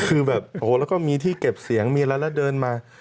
คือแบบโอ้โหแล้วก็มีที่เก็บเสียงมีอะไรแล้วเดินมา